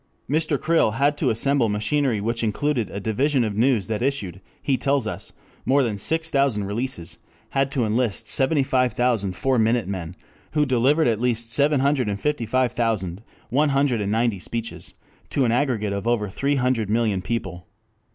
_] Mr. Creel had to assemble machinery which included a Division of News that issued, he tells us, more than six thousand releases, had to enlist seventy five thousand Four Minute Men who delivered at least seven hundred and fifty five thousand, one hundred and ninety speeches to an aggregate of over three hundred million people.